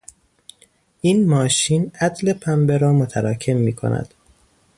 این ماشین عدل پنبه را متراکم میکند.